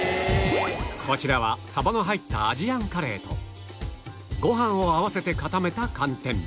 こちらはサバの入ったアジアンカレーとご飯を合わせて固めた寒天